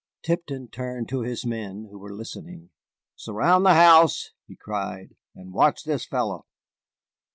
Tipton turned to his men, who were listening. "Surround the house," he cried, "and watch this fellow."